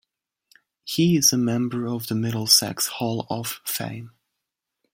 He is a member of the Middlesex Hall of Fame.